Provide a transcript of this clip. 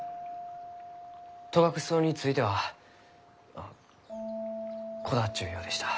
戸隠草についてはまあこだわっちゅうようでした。